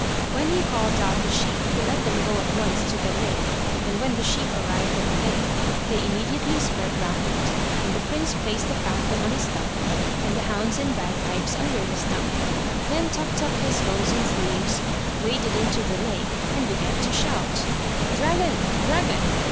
When he called out the sheep he let them go at once to the lake, and when the sheep arrived at the lake, they immediately spread round it, and the prince placed the falcon on a stump, and the hounds and bagpipes under the stump, then tucked up his hose and sleeves, waded into the lake, and began to shout: "Dragon, dragon!